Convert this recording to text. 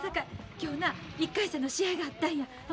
今日な１回戦の試合があったんや。